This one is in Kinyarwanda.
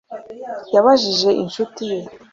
Yabajije inshuti ye